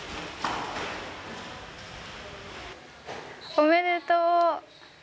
おめでとう！